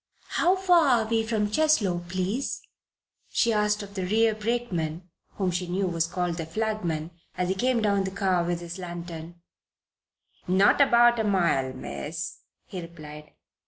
"How far are we from Cheslow, please?" she asked of the rear brakeman (whom she knew was called the flagman) as he came down the car with his lantern. "Not above a mile, Miss," he replied.